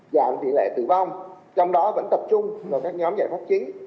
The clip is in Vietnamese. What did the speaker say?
giảm tỷ lệ tử vong trong đó vẫn tập trung vào các nhóm giải pháp chính